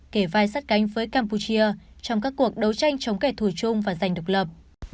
kể vai sát cánh với campuchia trong các cuộc đấu tranh chống kẻ thù chung và giành độc lập